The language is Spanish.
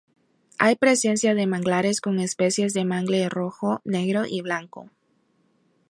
Hay presencia de manglares con especies de mangle rojo, negro y blanco.